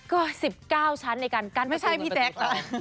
ก็๑๙ชั้นในการกั้นประตูเงินประตูทองไม่ใช่พี่แจ๊ก